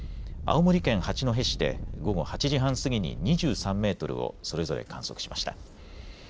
青森県八戸市で午後８時半過ぎに２３メートルをそれぞれ観測しました。